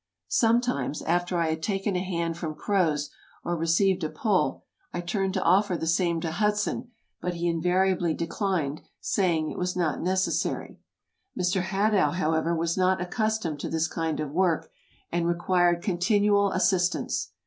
Sometimes, after I had taken a hand from Croz or received a pull, I turned to offer EUROPE 213 the same to Hudson, but he invariably declined, saying it was not necessary. Mr. Hadow, however, was not accus tomed to this kind of work, and required continual assistance.